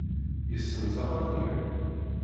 Yessenz axxam-nni?